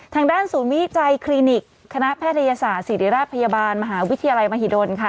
ทางด้านศูนย์วิจัยคลินิกคณะแพทยศาสตร์ศิริราชพยาบาลมหาวิทยาลัยมหิดลค่ะ